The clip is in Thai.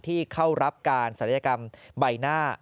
ที่เข้ารับการศัลยกรรมใบหน้า